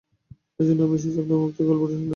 এই জন্যেই আমি এসেছি আপনার মুখ থেকে গল্পটা শোনার জন্যে।